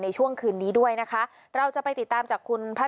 ในช่วงคืนนี้รู้ชัยด้วยนะคะ